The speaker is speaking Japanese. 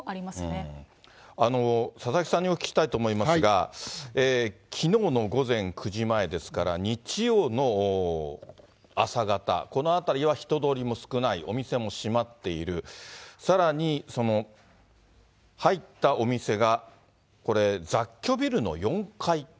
佐々木さんにお聞きしたいと思いますが、きのうの午前９時前ですから、日曜の朝方、この辺りは人通りも少ない、お店も閉まっている、さらに、その入ったお店がこれ、雑居ビルの４階。